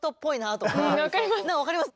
分かります。